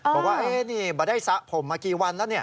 บอกว่านี่มาได้สระผมมากี่วันแล้ว